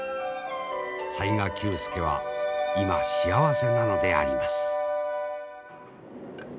雑賀久助は今幸せなのであります。